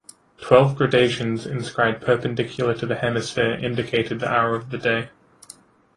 Twelve gradations inscribed perpendicular to the hemisphere indicated the hour of the day.